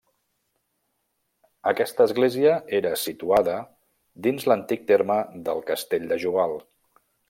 Aquesta església era situada dins l'antic terme del castell de Joval.